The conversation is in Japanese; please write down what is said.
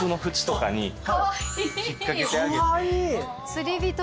釣り人だ。